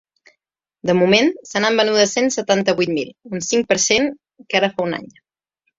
De moment, se n’han venudes cent setanta-vuit mil, un cinc per cent que ara fa un any.